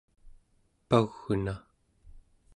pau͡gna